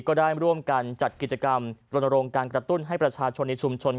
ก็ได้ร่วมกันจัดกิจกรรมรณรงค์การกระตุ้นให้ประชาชนในชุมชน